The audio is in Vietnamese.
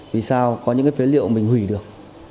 vì sao có những cái phế liệu mình hủy được